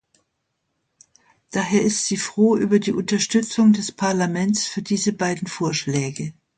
Daher ist sie froh über die Unterstützung des Parlaments für diese beiden Vorschläge.